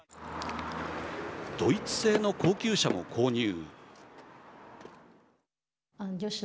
ドイツ製の高級車も購入。